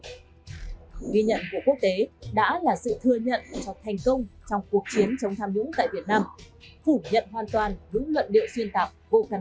ghi nhận của quốc tế đã là sự thừa nhận cho thành công trong cuộc chiến chống tham nhũng tại việt nam